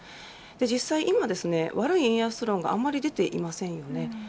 実際今、悪い円安論があんまり出ていませんよね。